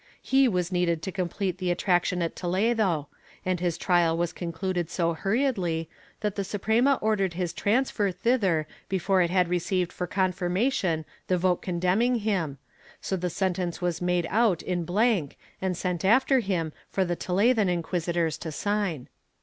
He was needed to complete the attraction at Toledo, and his trial was concluded so hurriedly that the Suprema ordered his transfer thither before it had received for confirmation the vote condemning him, so the sentence was made out in blank and sent after him for the Toledan inquisitors to sign.